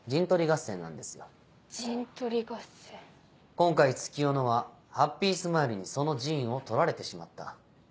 今回月夜野はハッピースマイルにその陣を取られてしまった。